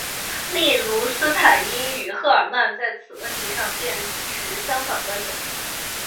例如斯坦因与赫尔曼在此问题上便持相反观点。